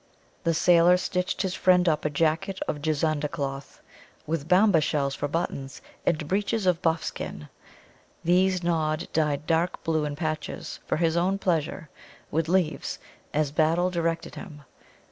The sailor stitched his friend up a jacket of Juzanda cloth, with Bamba shells for buttons, and breeches of buff skin. These Nod dyed dark blue in patches, for his own pleasure, with leaves, as Battle directed him.